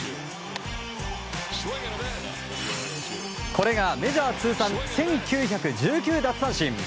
これがメジャー通算１９１９奪三振！